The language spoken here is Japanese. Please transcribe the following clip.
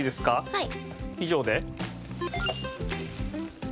はい。